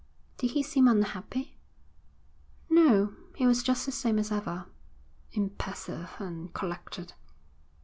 'Did he seem unhappy?' 'No. He was just the same as ever, impassive and collected.'